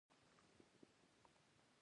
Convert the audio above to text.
لوستل او لیکل مو ذهن پراخوي، اوذهین مو جوړوي.